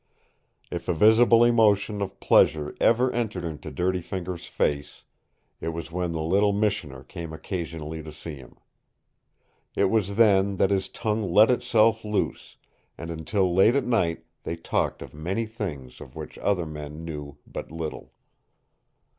If a visible emotion of pleasure ever entered into Dirty Fingers' face, it was when the little missioner came occasionally to see him. It was then that his tongue let itself loose, and until late at night they talked of many things of which other men knew but little.